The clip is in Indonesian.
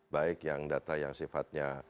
baik yang data yang sifatnya